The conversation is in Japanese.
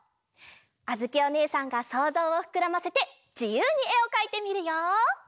あづきおねえさんがそうぞうをふくらませてじゆうにえをかいてみるよ。